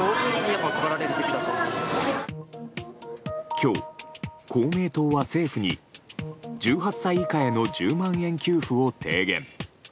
今日、公明党は政府に１８歳以下への１０万円給付を提言。